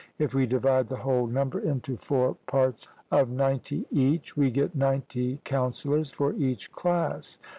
If we divide the whole number into four parts of ninety each, we get ninety counsellors for each class.